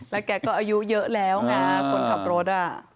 แล้วแกก็อายุเยอะแล้วไงคนขับรถ